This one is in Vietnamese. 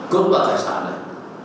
cốt bạc hải sản này